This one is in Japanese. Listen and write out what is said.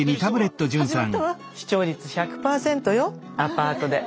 視聴率１００％よアパートで。